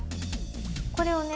これをね